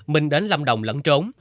minh đến lâm đồng lẫn trốn